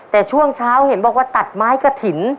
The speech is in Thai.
แต่ช่วงเช้าเห็นบอกว่าตัดไม้กระถิ่น